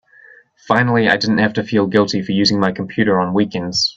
Finally I didn't have to feel guilty for using my computer on weekends.